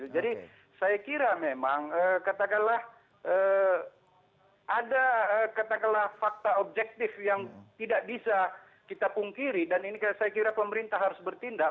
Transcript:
jadi saya kira memang katakanlah ada katakanlah fakta objektif yang tidak bisa kita pungkiri dan ini saya kira pemerintah harus bertindak